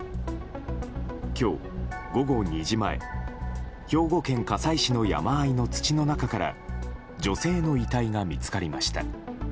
今日午後２時前兵庫県加西市の山あいの土の中から女性の遺体が見つかりました。